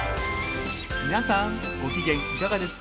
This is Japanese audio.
皆さんご機嫌いかがですか？